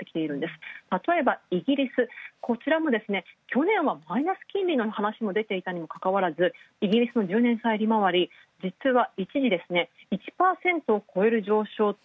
たとえばイギリス、こちらも去年はマイナス金利の話も出ていたのにもかかわらず、イギリスの１％を超える上昇と。